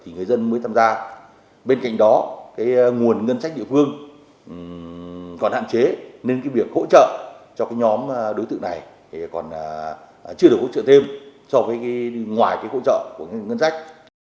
ngoài đó nguồn ngân sách địa phương còn hạn chế nên việc hỗ trợ cho nhóm đối tượng này còn chưa được hỗ trợ thêm so với ngoài hỗ trợ của ngân sách